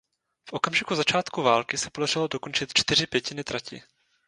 V okamžiku začátku války se podařilo dokončit čtyři pětiny trati.